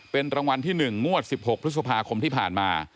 เป็นรางวัลที่๑งวด๑๖พฤษภาคมที่ผ่านมา